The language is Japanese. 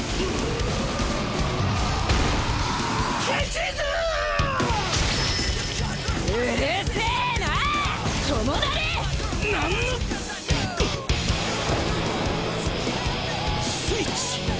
スイッチ！